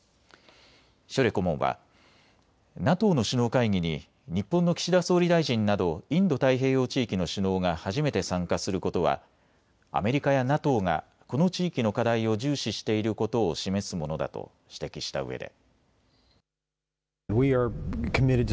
ショレ顧問は、ＮＡＴＯの首脳会議に日本の岸田総理大臣などインド太平洋地域の首脳が初めて参加することはアメリカやＮＡＴＯがこの地域の課題を重視していることを示すものだと指摘したうえで。